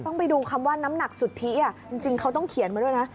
ต้องไปดูคำว่าน้ำหนักสุทธิจริงเขาต้องเขียนมาด้วยนะ